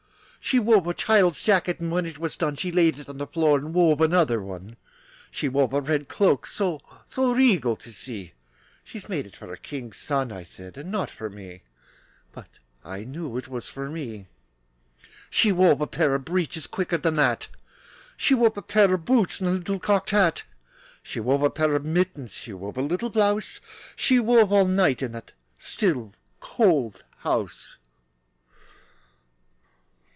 She wove a child's jacket, And when it was done She laid it on the floor And wove another one. She wove a red cloak So regal to see, "She's made it for a king's son," I said, "and not for me." But I knew it was for me. She wove a pair of breeches Quicker than that! She wove a pair of boots And a little cocked hat. She wove a pair of mittens, She wove a little blouse, She wove all night In the still, cold house.